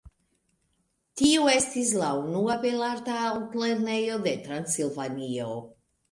Tiu estis la unua belarta altlernejo de Transilvanio.